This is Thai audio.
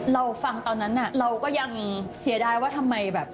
เราฟังตอนนั้นน่ะเราก็ยังเสียดายว่าทำไมแบบ